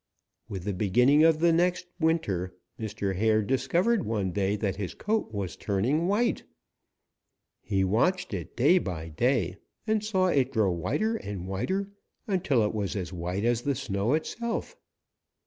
With the beginning of the next winter, Mr. Hare discovered one day that his coat was turning white. He watched it day by day and saw it grow whiter and whiter until it was as white as the snow itself.